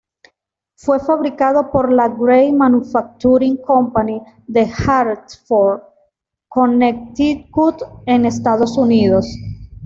Fue fabricado por la Gray Manufacturing Company de Hartford, Connecticut, en Estados Unidos.